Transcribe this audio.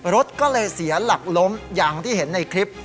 รถก็เลยเสียหลักล้มอย่างที่เห็นในคลิป